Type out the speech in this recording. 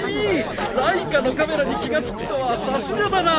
ライカのカメラに気が付くとはさすがだな！